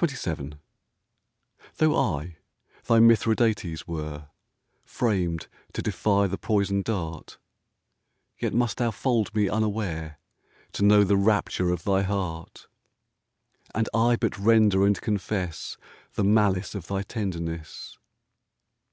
XXVII Though I thy Mithridates were, Framed to defy the poison dart, Yet must thou fold me unaware To know the rapture of thy heart, And I but render and confess The malice of thy tenderness.